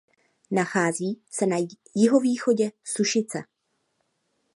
Nachází se na jihovýchodě Sušice.